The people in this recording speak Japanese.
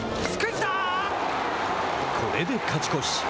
これで勝ち越し。